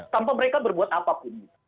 tanpa mereka berbuat apapun